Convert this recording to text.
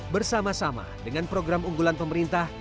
bersama sama dengan program unggulan pemerintah